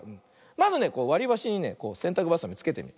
まずねわりばしにねせんたくばさみつけてみる。